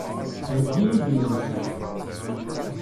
Heggi-iyi-d imensi.